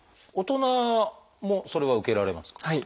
大人もそれは受けられますか？